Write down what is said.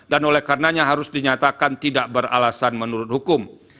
dan oleh karenanya harus dinyatakan tidak beralasan menurut hukum